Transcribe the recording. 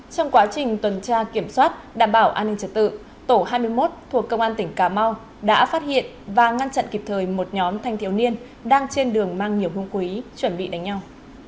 trong quá trình tuần tra kiểm soát đảm bảo an ninh trật tự tổ hai mươi một thuộc công an tỉnh cà mau đã phát hiện và ngăn chặn kịp thời một nhóm thanh thiếu niên đang trên đường mang nhiều hương quý chuẩn bị đánh nhau